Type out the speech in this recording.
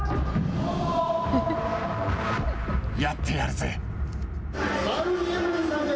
やってやるぜ。